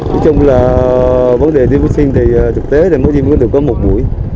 nói chung là vấn đề tiêm vaccine thực tế thì mới tiêm được có một mũi